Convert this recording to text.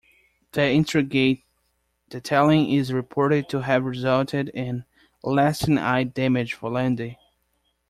The intricate detailing is reported to have resulted in lasting eye damage for Landy.